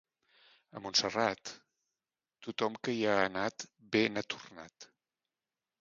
A Montserrat, tothom que hi ha anat bé n'ha tornat.